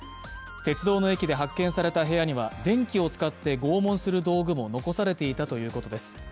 鉄道の駅で発見された部屋には電気を使って拷問する道具も残されていたということです。